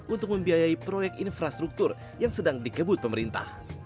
untuk membiayai proyek infrastruktur yang sedang dikebut pemerintah